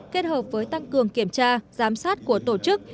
kết hợp với tăng cường kiểm tra giám sát của tổ chức